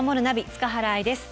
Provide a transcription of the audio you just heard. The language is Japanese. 塚原愛です。